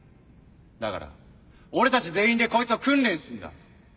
だから俺たち全員でこいつを訓練すんだ